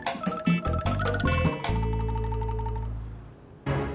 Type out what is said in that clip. iya siapu yang ir apply